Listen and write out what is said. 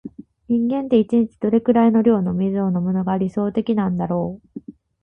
人間って、一日にどれくらいの量の水を飲むのが理想的なんだろう。